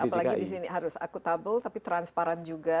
ya apalagi disini harus akutabel tapi transparan juga